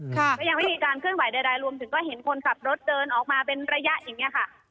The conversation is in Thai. ก็ยังไม่มีการเคลื่อนไหวใดรวมถึงก็เห็นคนขับรถเดินออกมาเป็นระยะอย่างนี้ค่ะ